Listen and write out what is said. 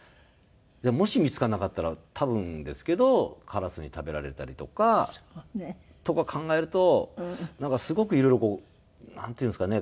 もし見付からなかったら多分ですけどカラスに食べられたりとか考えるとなんかすごくいろいろこうなんていうんですかね